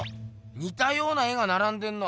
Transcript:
にたような絵がならんでんな。